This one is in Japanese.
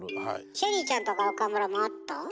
ＳＨＥＬＬＹちゃんとか岡村もあった？